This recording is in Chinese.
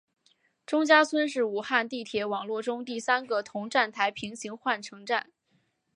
钟家村是武汉地铁网络中第三个同站台平行换乘站。